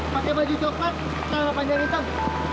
pakai baju coklat tanah panjang hitam